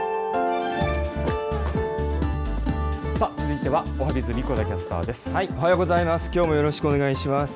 続いてはおはＢｉｚ、神子田キャおはようございます。